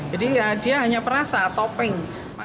jadi dia hanya perasa topping